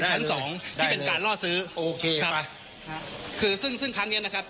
ชั้นสองที่เป็นการล่อซื้อโอเคครับคือซึ่งซึ่งครั้งเนี้ยนะครับ